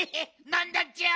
なんだっちゃ？